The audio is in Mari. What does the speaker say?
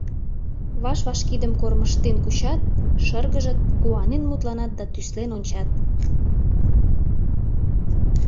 Ваш-ваш кидым кормыжтен кучат, шыргыжыт, куанен мутланат да тӱслен ончат.